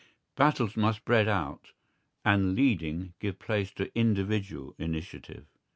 Battles must spread out, and leading give place to individual initiative.